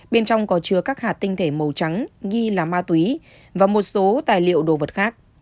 bên trong có chứa các hạt tinh thể màu trắng nghi là ma túy và một số tài liệu đồ vật khác